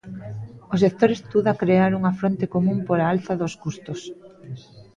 O sector estuda crear unha fronte común pola alza dos custos.